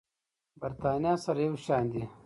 برېتانيا سره یو شان دي.